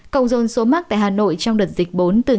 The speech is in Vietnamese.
cộng dồn số mắc tại hà nội trong đợt diễn